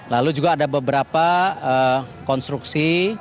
lalu juga ada beberapa konstruksi